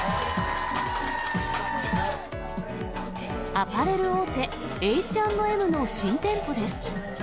アパレル大手、Ｈ＆Ｍの新店舗です。